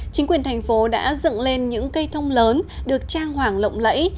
chính quyền thành phố đã dựng lên những cây thông lớn được trang hoàng lộng lẫy